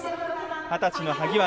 二十歳の萩原。